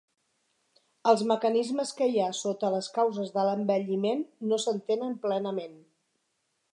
Els mecanismes que hi ha sota les causes de l'envelliment no s'entenen plenament.